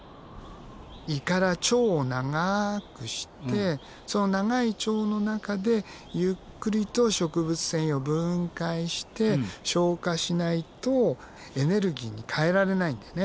胃から腸を長くしてその長い腸の中でゆっくりと食物繊維を分解して消化しないとエネルギーに変えられないんだよね。